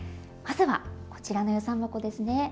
まずはこちらの遊山箱ですね。